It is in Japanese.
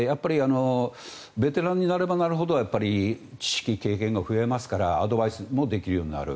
ベテランになればなるほど知識、経験が増えるからアドバイスもできるようになる。